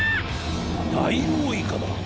ダイオウイカだ！